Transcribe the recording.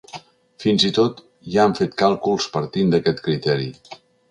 Fins i tot ja han fet càlculs partint d’aquest criteri.